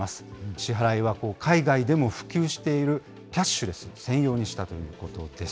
支払いは海外でも普及しているキャッシュレス専用にしたということです。